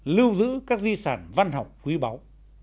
lưu giữ các di sản văn học quý báu